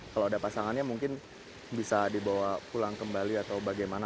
kalau ada pasangannya mungkin bisa dibawa pulang kembali atau bagaimana